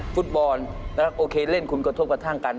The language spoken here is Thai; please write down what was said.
ฟุตบอลโอเคเล่นคุณกระทบกระทั่งกัน